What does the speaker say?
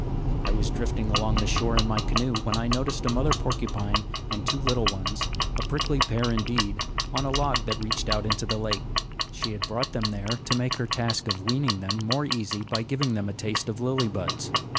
I was drifting along the shore in my canoe when I noticed a mother porcupine and two little ones, a prickly pair indeed, on a log that reached out into the lake. She had brought them there to make her task of weaning them more easy by giving them a taste of lily buds.